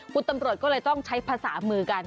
คุณตำรวจก็เลยต้องใช้ภาษามือกัน